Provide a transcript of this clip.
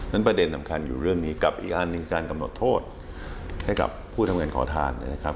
ประเด็นสำคัญอยู่เรื่องนี้กับอีกอันหนึ่งการกำหนดโทษให้กับผู้ทำงานขอทานนะครับ